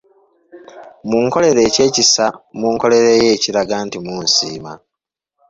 Munkolere eky'ekisa munkolereyo ekiraga nti musiima.